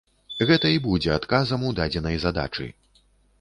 Гэта і будзе адказам у дадзенай задачы.